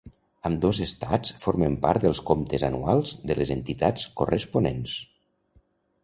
Ambdós estats formen part dels comptes anuals de les entitats corresponents.